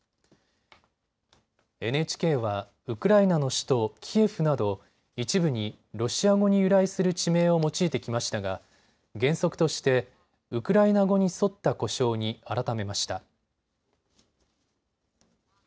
ＮＨＫはウクライナの首都キエフなど一部にロシア語に由来する地名を用いてきましたが原則としてウクライナ語に沿った呼称に改めました。